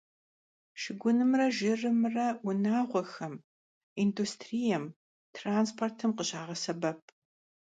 Şşıgunımre jjırımre vunağuexem, yindustriêm, transportım khışağesebep.